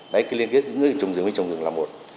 đấy cái liên kết giữa người trồng rừng với trồng rừng là một